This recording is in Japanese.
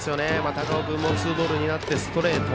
高尾君もツーボールになってストレート。